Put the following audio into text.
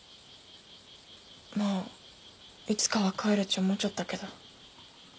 まあいつかは帰るち思ちょったけど。